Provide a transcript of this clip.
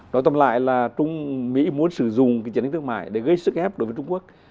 nói tầm lại là mỹ muốn sử dụng cái chiến tranh thương mại để gây sức ép đối với trung quốc